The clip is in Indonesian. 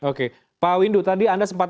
oke pak windu tadi anda sempat